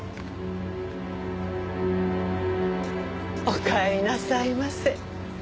おかえりなさいませ。